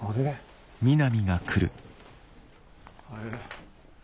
あれ？